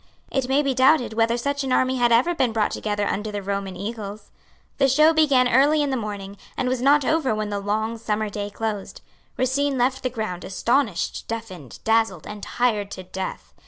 It may be doubted whether such an army had ever been brought together under the Roman eagles. The show began early in the morning, and was not over when the long summer day closed. Racine left the ground, astonished, deafened, dazzled, and tired to death.